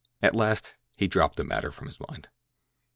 At last he dropped the matter from his mind.